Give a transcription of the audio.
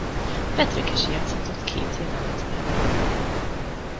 Patrick is játszhatott két jelenetben.